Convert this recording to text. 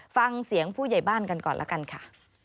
ฟังเสียงผู้ใหญ่บ้านกันก่อนละกันค่ะ